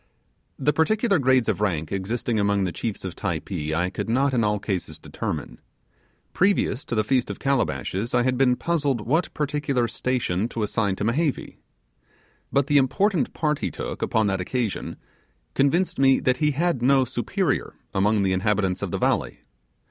The particular grades of rank existing among the chiefs of Typee, I could not in all cases determine. Previous to the Feast of Calabashes I had been puzzled what particular station to assign to Mehevi. But the important part he took upon that occasion convinced me that he had no superior among the inhabitants of the valley.